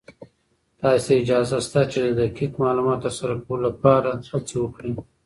تاسې ته اجازه شته چې د دقيق معلوماتو تر سره کولو لپاره هڅې وکړئ.